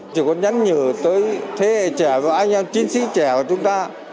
chỉ có nhắn nhờ tới thế hệ trẻ và anh em chiến sĩ trẻ của chúng ta